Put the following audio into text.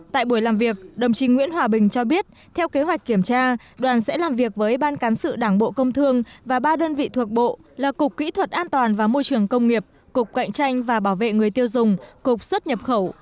tại buổi làm việc đồng chí nguyễn hòa bình cho biết theo kế hoạch kiểm tra đoàn sẽ làm việc với ban cán sự đảng bộ công thương và ba đơn vị thuộc bộ là cục kỹ thuật an toàn và môi trường công nghiệp cục cạnh tranh và bảo vệ người tiêu dùng cục xuất nhập khẩu